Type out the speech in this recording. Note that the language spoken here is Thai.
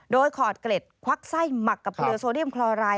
โดยขอดเกล็ดควักไส้หมักกับเกลือโซเดียมคลอราย